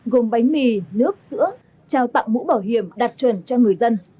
gồm bánh mì nước sữa trao tặng mũ bảo hiểm đạt chuẩn cho người dân